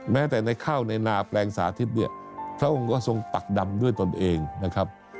แม้แต่ในข้าวในนาแปลงสาธิตเนี่ยพระองค์ก็ทรงปักดำด้วยตนเองนะครับ